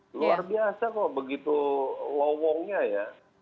luar biasa kok begitu low wongnya ya